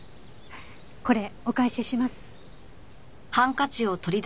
これお返しします。